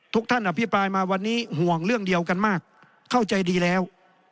ทุกท่านอภิปรายมาวันนี้ห่วงเรื่องเดียวกันมากเข้าใจดีแล้ว